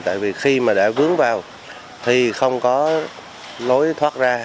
tại vì khi mà đã vướng vào thì không có lối thoát ra